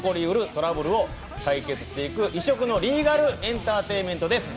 トラブルを解決していく異色のリーガルエンターテインメントです。